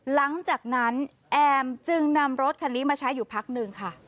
หลังจากนั้นแอมจึงนำรถคันนี้มาใช้อยู่พักหนึ่งค่ะ